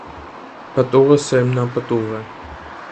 Պտուղը սերմնապտուղ է։